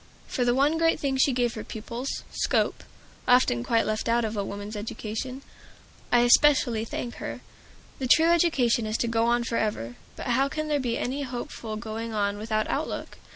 For the one great thing she gave her pupils, scope, often quite left out of woman's education, I especially thank her. The true education is to go on forever. But how can there be any hopeful going on without outlook?